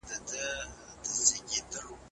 شوي په روښانه ډول